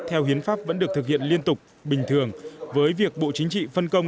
theo hiến pháp vẫn được thực hiện liên tục bình thường với việc bộ chính trị phân công